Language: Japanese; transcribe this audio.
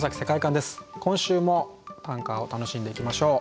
今週も短歌を楽しんでいきましょう。